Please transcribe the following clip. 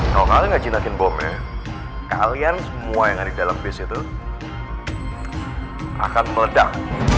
kalau kalian gak jinakin bomnya kalian semua yang ada di dalam bis itu akan meledak